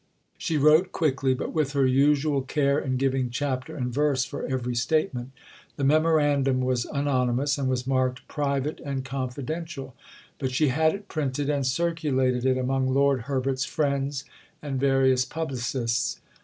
She wrote quickly, but with her usual care in giving chapter and verse for every statement. The Memorandum was anonymous, and was marked "Private and Confidential"; but she had it printed, and circulated it among Lord Herbert's friends and various publicists.